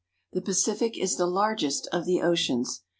The Pacific is the largest of the oceans.